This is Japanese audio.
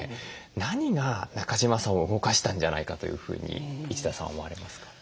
何が中島さんを動かしたんじゃないかというふうに一田さんは思われますか？